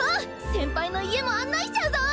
先輩の家も案内しちゃうぞ！